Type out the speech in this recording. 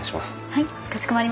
はい。